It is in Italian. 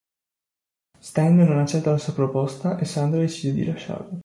Stan non accetta la sua proposta e Sandra decide di lasciarlo.